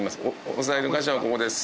押さえる箇所はここです